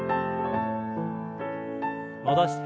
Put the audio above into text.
戻して。